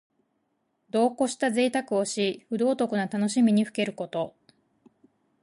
度をこしたぜいたくをし、不道徳な楽しみにふけること。